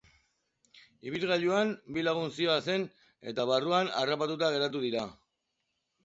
Ibilgailuan bi lagun zihoazen eta barruan harrapatuta geratu dira.